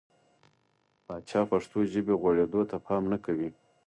پاچا پښتو ژبې غوړېدو ته پام نه کوي .